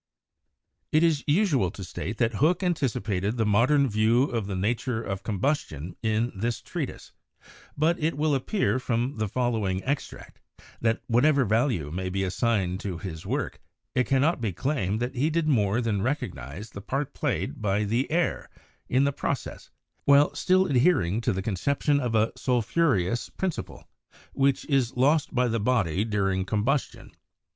It is usual to state that Hooke anticipated the modern view of the nature of combustion in this treatise; but it will appear from the following extract that whatever value may be assigned to his work, it cannot be claimed that he did more than recognize the part played by the air in the process, while still adhering to the conception of a 'sulphureous principle' which is lost by the body dur ing combustion.